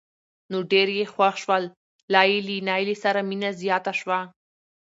نو ډېر یې خوښ شول لا یې له نایلې سره مینه زیاته شوه.